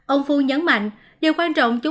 ông phu nhấn mạnh